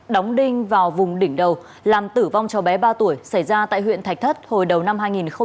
đóng đinh vào vùng đỉnh đầu làm tử vong cho bé ba tuổi xảy ra tại huyện thạch thất hồi đầu năm hai nghìn một mươi chín